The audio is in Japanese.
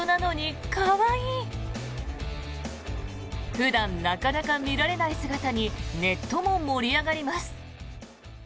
普段、なかなか見られない姿にネットも盛り上がります。